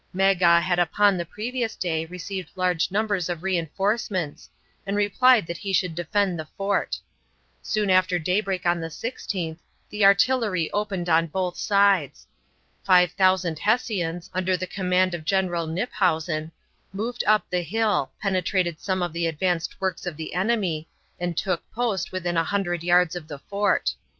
Magaw had upon the previous day received large numbers of re enforcements, and replied that he should defend the fort. Soon after daybreak on the 16th the artillery opened on both sides. Five thousand Hessians, under the command of General Knyphausen, moved up the hill, penetrated some of the advanced works of the enemy, and took post within a hundred yards of the fort.